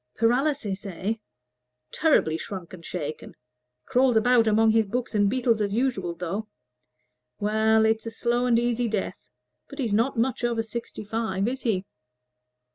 Paralysis, eh? Terribly shrunk and shaken crawls about among his books and beetles as usual, though. Well, it's a slow and easy death. But he's not much over sixty five, is he?"